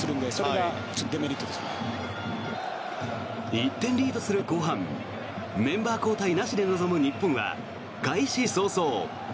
１点リードする後半メンバー交代なしで臨む日本は開始早々。